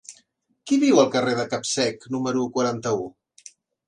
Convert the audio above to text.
Qui viu al carrer de Capsec número quaranta-u?